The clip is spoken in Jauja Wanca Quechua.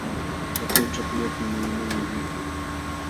Paka qućhapa yakun mayumanmi liykan.